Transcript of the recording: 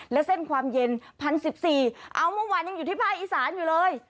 และเส้นความเย็นพันสิบสี่เอาเมื่อวานยังอยู่ที่ภาคอิสรอยู่เลย